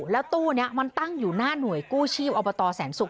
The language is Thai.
แล้วตู้นี้มันตั้งอยู่หน้าหน่วยกู้ชีพอบตแสนสุก